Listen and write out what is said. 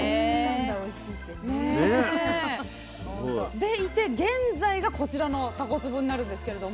でいて現在がこちらのたこつぼになるんですけれども。